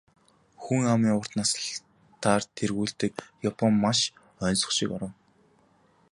Хүн амын урт наслалтаар тэргүүлдэг Япон маш оньсого шиг орон.